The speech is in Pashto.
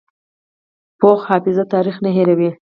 پوخ حافظه تاریخ نه هېروي